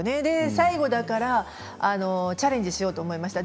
最後だからチャレンジしようと思いました。